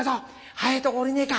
早いとこ下りねえか！